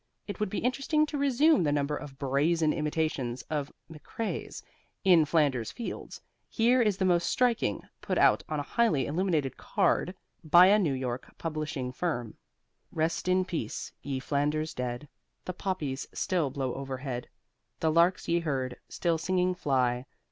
It would be interesting to resume the number of brazen imitations of McCrae's "In Flanders Fields" here is the most striking, put out on a highly illuminated card by a New York publishing firm: Rest in peace, ye Flanders's dead, The poppies still blow overhead, The larks ye heard, still singing fly.